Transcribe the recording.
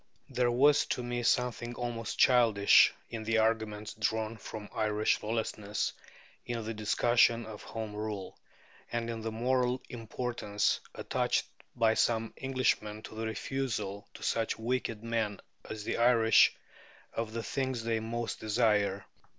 There was to me something almost childish in the arguments drawn from Irish lawlessness in the discussion of Home Rule, and in the moral importance attached by some Englishmen to the refusal to such wicked men as the Irish of the things they most desire.